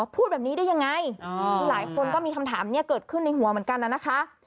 พูดแบบนี้ได้ยังไงคือหลายคนก็มีคำถามนี้เกิดขึ้นในหัวเหมือนกันน่ะนะคะ